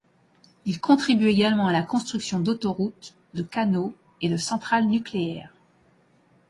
Il contribue également à la construction d'autoroutes, de canaux et de centrales nucléaires.